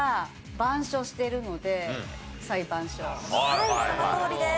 はいそのとおりです。